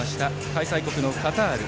開催国のカタール。